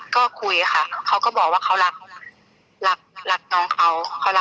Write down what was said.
ก็คุยค่ะเขาก็บอกว่าเขารักน้องเขา